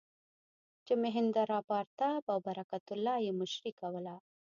چې مهیندراپراتاپ او برکت الله یې مشري کوله.